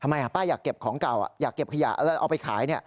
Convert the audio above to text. ป้าอยากเก็บของเก่าอยากเก็บขยะแล้วเอาไปขาย